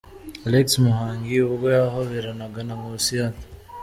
Alex Muhangi ubwo yahoberanaga na Nkusi Arthur.